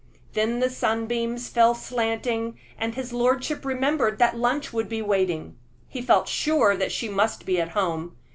Then the sunbeams fell slanting, and his lordship remembered that lunch would be waiting. He felt sure that she must be at home.